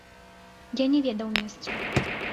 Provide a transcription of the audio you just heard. Я не ведаў месца.